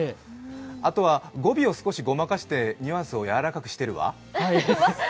あとは語尾を少しごまかして、ニュアンスを柔らかくしてるわ。